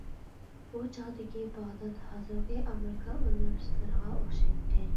ئۇ چاغدىكى باغدات ھازىرقى ئامېرىكا ئۇنىۋېرسىتېتلىرىغا ئوخشايتتى.